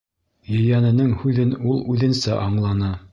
Ейәненең һүҙен ул үҙенсә аңланы.